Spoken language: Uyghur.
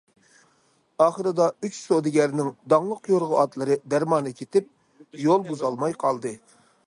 ئاخىرىدا ئۈچ سودىگەرنىڭ داڭلىق يورغا ئاتلىرى دەرمانى كېتىپ، يول بۇزالماي قالدى.